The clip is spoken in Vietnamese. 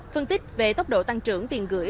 phân tích về tốc độ tăng trưởng tiền gửi